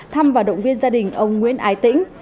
thăm và động viên gia đình ông nguyễn ái tĩnh